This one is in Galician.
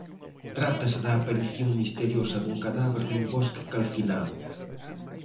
"Trátase da aparición misteriosa dun cadáver nun bosque calcinado."